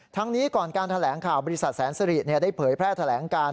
นี้ก่อนการแถลงข่าวบริษัทแสนสิริได้เผยแพร่แถลงการ